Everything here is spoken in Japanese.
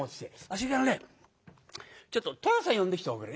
それからねちょっと寅さん呼んできておくれ。